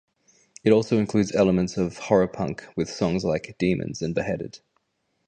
It also includes elements of horror punk, with songs like "Demons" and "Beheaded".